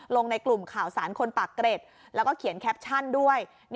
ในกลุ่มข่าวสารคนปากเกร็ดแล้วก็เขียนแคปชั่นด้วย